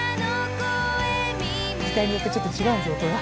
機体によってちょっと違うんですよ音が。